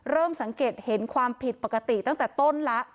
เริ่มสังเกตเห็นความผิดปกติตั้งแต่ต้นแล้ว